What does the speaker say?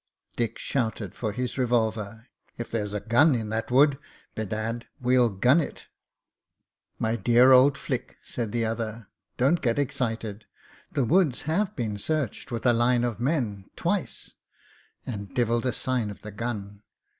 Dick shouted for his revolver. "If there's a gun in that wood, bedad! we'll gun it." "My dear old flick," said the other, "don't get excited. The woods have been searched with a line of men — ^twice; and devil the sign of the gun.